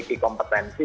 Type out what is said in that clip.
pemirsa dan pemerintah